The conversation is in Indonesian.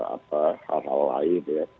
apa hal hal lain ya